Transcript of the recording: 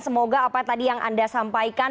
semoga apa tadi yang anda sampaikan